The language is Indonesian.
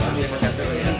eh bentar bentar bentar